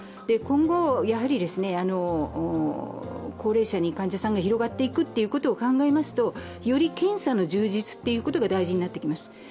今後、高齢者に患者さんが広がっていくことを考えますとより検査の充実が大事になってきます。